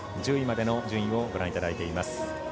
１０位までの順位をご覧いただいています。